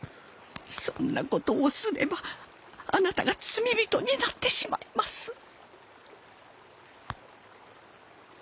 そんなことをすればあなたが罪人になってしまいます。